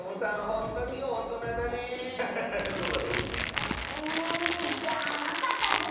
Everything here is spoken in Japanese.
んじゃあわかったズル。